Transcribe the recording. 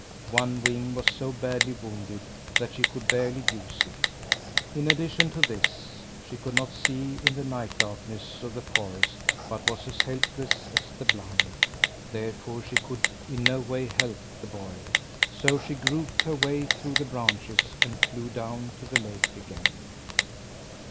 One wing was so badly wounded that she could barely use it. In addition to this, she could not see in the night darkness of the forest but was as helpless as the blind. Therefore she could in no way help the boy; so she groped her way through the branches and flew down to the lake again.